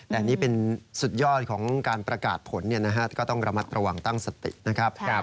แต่นี่เป็นสุดยอดของการประกาศผลก็ต้องระมัดระวังตั้งสตินะครับ